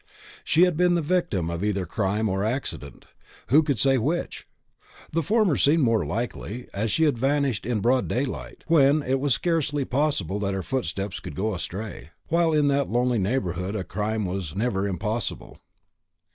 She had been the victim of either crime or accident. Who should say which? The former seemed the more likely, as she had vanished in broad daylight, when it was scarcely possible that her footsteps could go astray; while in that lonely neighbourhood a crime was never impossible.